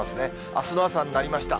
あすの朝になりました。